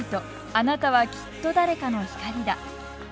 「あなたは、きっと、誰かの光だ。」